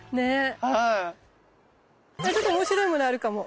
ちょっとおもしろいものあるかも。